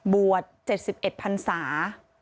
บวช๗๑พันศา